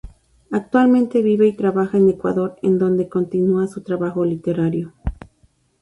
Actualmente vive y trabaja en Ecuador en donde continua su trabajo literario.